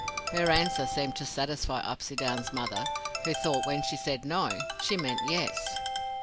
Her answer seemed to satisfy Upsydoun's mother, who thought when she said "no" she meant "yes."